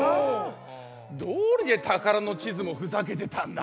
どうりでたからのちずもふざけてたんだ。